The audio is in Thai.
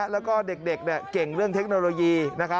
แล้วก็เด็กเก่งเรื่องเทคโนโลยี